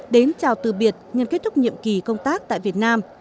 đến chào từ biệt nhân kết thúc nhiệm kỳ công tác tại việt nam